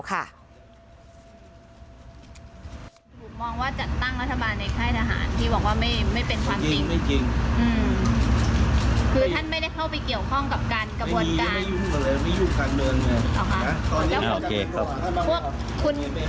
โอเคขอบคุณ